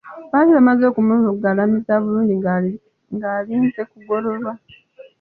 Baali bamaze okumugalamiza bulungi ng'alinze kugololwa.